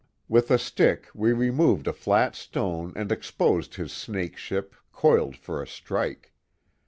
With a stick we removed a flat stone and exposed his snakeship, coiled for a strike.